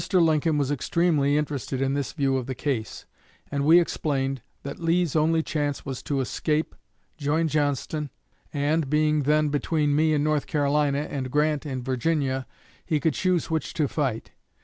Lincoln was extremely interested in this view of the case, and we explained that Lee's only chance was to escape, join Johnston, and, being then between me in North Carolina and Grant in Virginia, he could choose which to fight.